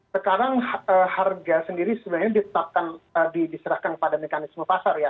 sekarang harga sendiri sebenarnya ditetapkan diserahkan pada mekanisme pasar ya